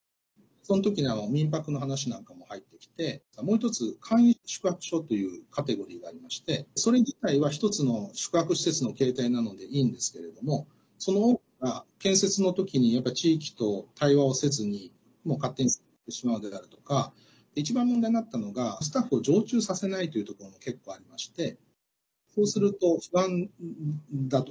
その時に民泊の話なんかも入ってきてもう１つ、簡易宿泊所というカテゴリーがありましてそれ自体は１つの宿泊施設の形態なのでいいんですけれどもその多くが建設の時にやっぱり地域と対話をせずに勝手に作ってしまうであるとか一番問題になったのがスタッフを常駐させないというところも結構ありましてこうすると不安だと。